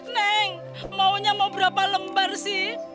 neng maunya mau berapa lembar sih